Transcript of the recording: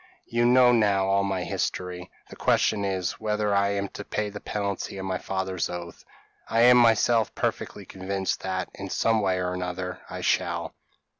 You now know all my history. The question is, whether I am to pay the penalty of my father's oath? I am myself perfectly convinced that, in some way or another, I shall."